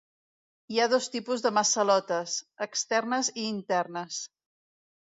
Hi ha dos tipus de massalotes: externes i internes.